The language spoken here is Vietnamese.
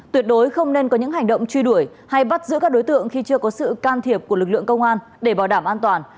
tuyệt đối không nên có những hành động truy đuổi hay bắt giữ các đối tượng khi chưa có sự can thiệp của lực lượng công an để bảo đảm an toàn